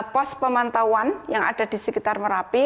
pos pemantauan yang ada di sekitar merapi